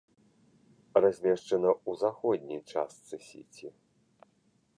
Размешчана ў заходняй частцы сіці.